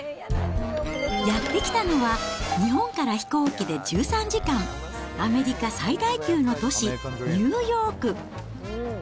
やって来たのは、日本から飛行機で１３時間、アメリカ最大級の都市、ニューヨーク。